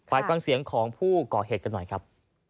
ไปฟังเสียงของผู้ก่อเหตุกันหน่อยครับ